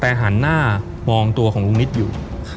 แต่หันหน้ามองตัวของลุงนิดอยู่